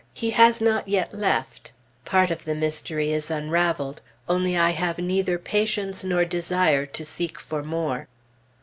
He has not yet left; part of the mystery is unraveled, only I have neither patience nor desire to seek for more.